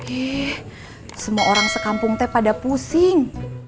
eh semua orang sekampung teh pada pusing